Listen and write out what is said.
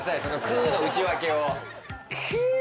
その「く！」の内訳を。